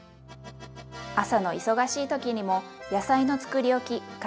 朝の忙しい時にも野菜のつくりおき活躍しますよ。